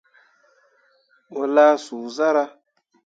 Mo lah suu zarah.